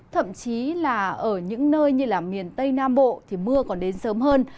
thậm chí là ở những nơi như miền tây nam bộ thì mưa còn đến sớm hơn